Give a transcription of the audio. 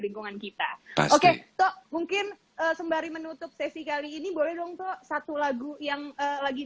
lingkungan kita oke toh mungkin sembari menutup sesi kali ini boleh dong toh satu lagu yang lagi